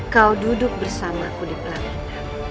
kau duduk bersamaku di pelari